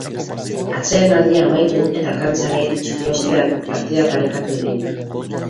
Atsedenaldia amaitu eta kantxara itzuli ostean, partida parekatu egin da.